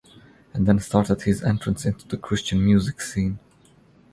And then started his entrance into the Christian Music Scene.